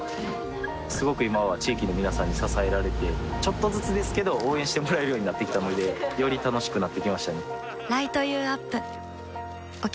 すごく今は地域の皆さんに支えられてちょっとずつですけど応援してもらえるようになってきたのでより楽しくなってきましたね